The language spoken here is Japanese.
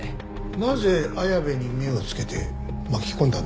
なぜ綾部に目を付けて巻き込んだんですか？